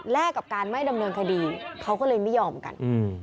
กับการไม่ดำเนินคดีเขาก็เลยไม่ยอมกัน